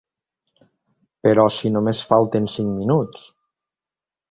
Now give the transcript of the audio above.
Però si només falten cinc minuts!